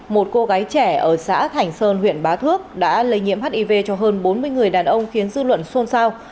một cô gái trẻ ở xã thành sơn huyện bá thước đã lây nhiễm hiv cho hơn bốn mươi người đàn ông khiến dư luận xôn xao